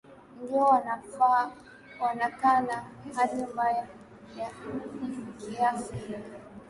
ndio wanakaa na hali mbaya ya kiafya